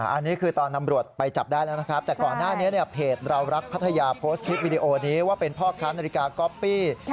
อันนี้คือตอนนำรวจไปจับได้แล้วนะครับแต่ก่อนหน้านี้เพจเรารักพัทยาโพสต์คลิปวิดีโอนี้ว่าเป็นพ่อค้านาฬิกาก๊อปปี้